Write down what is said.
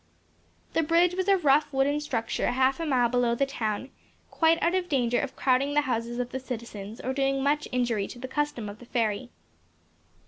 The bridge was a rough wooden structure half a mile below the town; quite out of danger of crowding the houses of the citizens or doing much injury to the custom of the ferry.